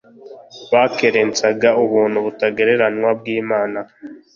bakerensaga ubuntu butagereranywa bw’Imana